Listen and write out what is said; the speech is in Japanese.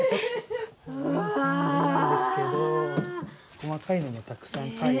細かいのもたくさん描いてて。